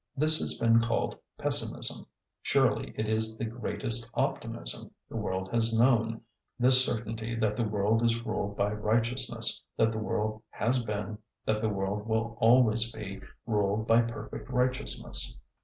This has been called pessimism. Surely it is the greatest optimism the world has known this certainty that the world is ruled by righteousness, that the world has been, that the world will always be, ruled by perfect righteousness.